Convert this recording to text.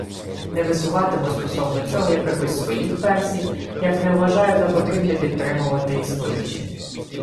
Не висуватиму стосовно цього якихось своїх версій, як не вважаю за потрібне підтримувати існуючі